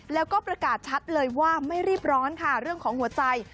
แล้วก็ประกาศชัดเลยว่าไม่รีบร้อนค่ะเรื่องของหัวใจ